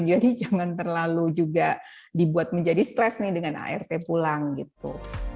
jadi jangan terlalu juga dibuat menjadi stres nih dengan art pulang gitu